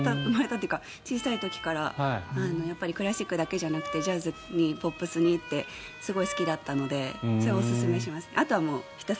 小さい時からクラシックだけじゃなくてジャズにポップスにってすごい好きだったのでおすすめします。